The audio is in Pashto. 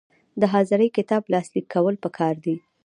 د حاضري کتاب لاسلیک کول پکار دي